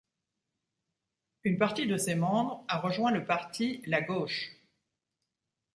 Une partie de ses membres a rejoint le parti La Gauche.